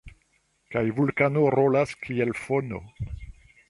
Kaj vulkano rolas kiel fono.